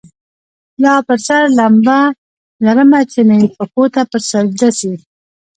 لا پر سر لمبه لرمه چي مي پښو ته پر سجده سي